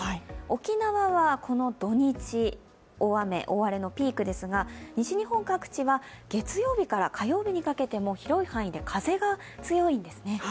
沖縄はこの土日、大雨、大荒れのピークですが、西日本各地は月曜日から火曜日にかけても広い範囲で風が強いんですね。